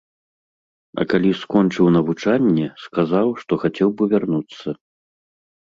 А калі скончыў навучанне, сказаў, што хацеў бы вярнуцца.